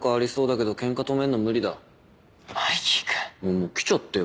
もう来ちゃったよ